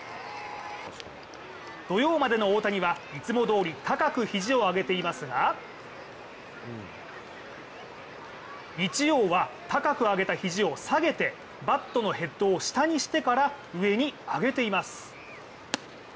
土曜までの大谷はいつもどおり高く肘を上げていますが日曜は高く上げた肘を下げてバットのヘッドを下にしてから上に上げています。